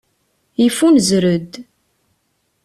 Yeffunzer-d.